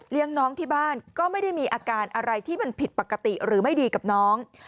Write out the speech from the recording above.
น้องที่บ้านก็ไม่ได้มีอาการอะไรที่มันผิดปกติหรือไม่ดีกับน้อง